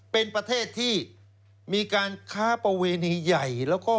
เป็นประเทศที่มีการค้าประเวณีใหญ่แล้วก็